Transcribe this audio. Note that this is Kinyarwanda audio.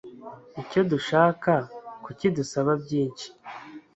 icyo dushaka kuki dusaba byinshi